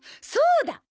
そうだ！